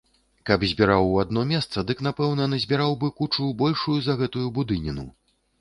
Каб збіраў у адно месца, дык напэўна назбіраў бы кучу, большую за гэтую будыніну.